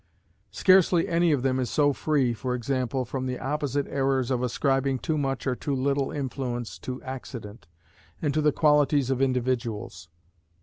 Scarcely any of them is so free (for example) from the opposite errors of ascribing too much or too little influence to accident, and to the qualities of individuals.